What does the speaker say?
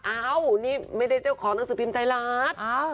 อ้าวนี่ไม่ได้เจ้าของหนังสือพิมพ์ไทยรัฐ